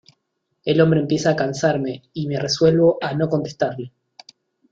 el hombre empieza a cansarme, y me resuelvo a no contestarle.